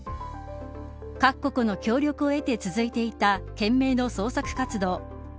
各国の協力を得て続いていた懸命の捜索活動。